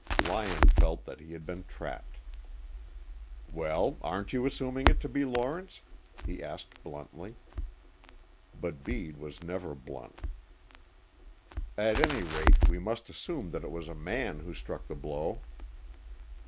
Lyon felt that he had been trapped. "Well, aren't you assuming it to be Lawrence?" he asked bluntly. But Bede was never blunt. "At any rate, we must assume that it was a man who struck the blow."